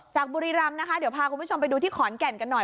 บุรีรำนะคะเดี๋ยวพาคุณผู้ชมไปดูที่ขอนแก่นกันหน่อย